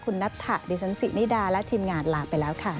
คุณนัทธะดิฉันสินิดาและทีมงานลาไปแล้วค่ะ